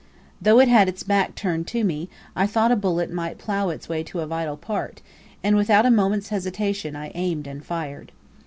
Though it had its back turned to me, I thought a bullet might plough its way to a vital part, and without a moment's hesitation I aimed and fired.